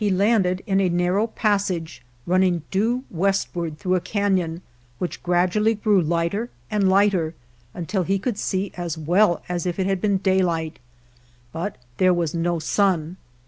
He landed in a narrow passage running due westward through a canon which gradually grew lighter and lighter until he could see as well as if it had been daylight ; but there was no sun.